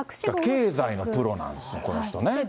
経済のプロなんですよ、この人ね。